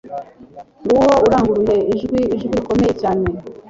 Ng’uwo aranguruye ijwi ijwi rikomeye cyane